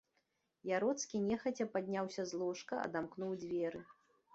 Яроцкі нехаця падняўся з ложка, адамкнуў дзверы.